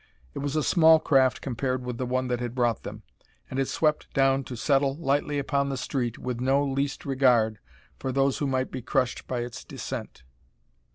It was a small craft compared with the one that had brought them, and it swept down to settle lightly upon the street with no least regard for those who might be crushed by its descent.